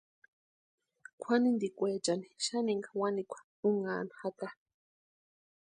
Kwʼanintikwechani xaninka wanikwa únhani jaka.